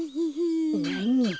なに？